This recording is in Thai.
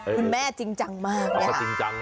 คุณแม่จริงจังมากเนี่ยค่ะ